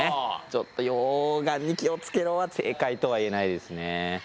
ちょっと溶岩に気を付けろは正解とは言えないですね。